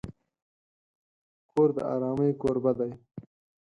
کور د آرامۍ کوربه دی.